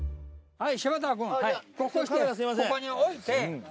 はい。